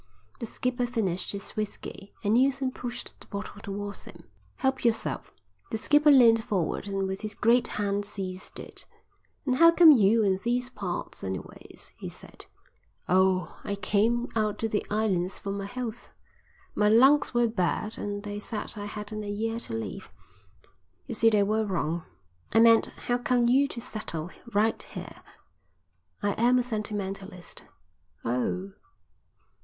The skipper finished his whisky, and Neilson pushed the bottle towards him. "Help yourself." The skipper leaned forward and with his great hand seized it. "And how come you in these parts anyways?" he said. "Oh, I came out to the islands for my health. My lungs were bad and they said I hadn't a year to live. You see they were wrong." "I meant, how come you to settle down right here?" "I am a sentimentalist." "Oh!"